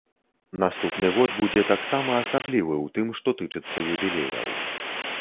Наступны год будзе таксама асаблівы ў тым, што тычыцца юбілеяў.